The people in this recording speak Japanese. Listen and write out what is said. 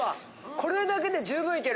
これだけで十分いける。